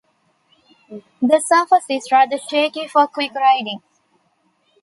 The surface is rather shaky for quick riding.